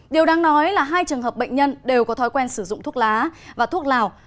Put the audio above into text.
điều đang nói là hai trường hợp bệnh nhân đều có thói quen sử dụng thuốc lá và thuốc lào